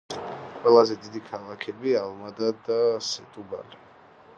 ყველაზე დიდი ქალაქები: ალმადა და სეტუბალი.